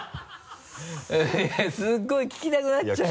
すごい聞きたくなっちゃう。